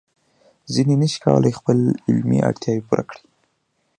ځینې نشي کولای خپل علمي اړتیاوې پوره کړي.